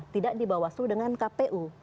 tidak di bawah seluruh dengan kpu